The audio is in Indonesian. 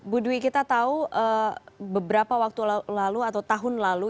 bu dwi kita tahu beberapa waktu lalu atau tahun lalu